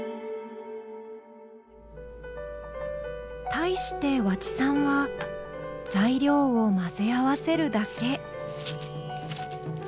対して和知さんは材料を混ぜ合わせるだけ。